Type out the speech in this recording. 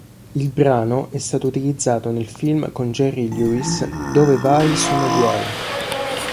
Il brano è stato utilizzato nel film con Jerry Lewis "Dove vai sono guai!